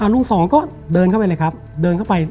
ลุงสองก็เดินเข้าไปเลยครับเดินเข้าไป